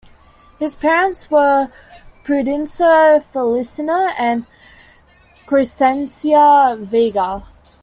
His parents were Prudencio Feliciano and Crescencia Vega.